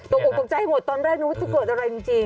เออนี่นะแม่ตกอุ่นตกใจหมดตอนแรกนี้ว่าจะเกิดอะไรจริง